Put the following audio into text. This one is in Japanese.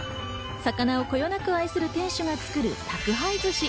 魚をこよなく愛する店主が作る宅配寿司。